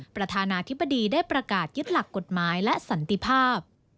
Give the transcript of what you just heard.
ประธานาธิบดีได้ประกาศยึดหลักกฎหมายและสันติภาพ